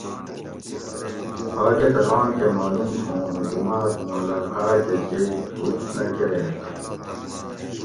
تھاکہ تہ ران کہ معلوم تھو اوں حکوماۤت مُوں علاقاۤ کہ کئی ہُوب نہ کۤرینت